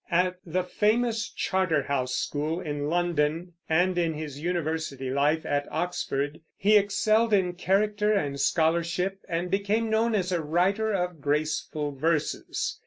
At the famous Charterhouse School, in London, and in his university life at Oxford, he excelled in character and scholarship and became known as a writer of graceful verses.